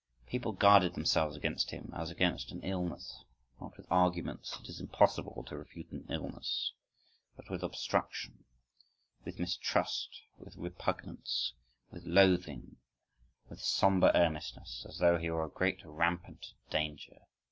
People guarded themselves against him as against an illness,—not with arguments—it is impossible to refute an illness,—but with obstruction, with mistrust, with repugnance, with loathing, with sombre earnestness, as though he were a great rampant danger.